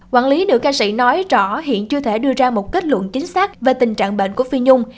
quản lý được ca sĩ nói rõ hiện chưa thể đưa ra một kết luận chính xác về tình trạng bệnh của phi nhung